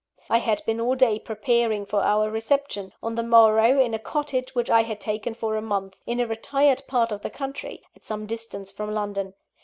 I had been all day preparing for our reception, on the morrow, in a cottage which I had taken for a month, in a retired part of the country, at some distance from London.